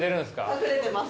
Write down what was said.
隠れてます。